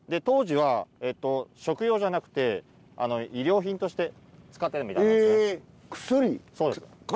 当時は食用じゃなくて医療品として使ってたみたいなんですね。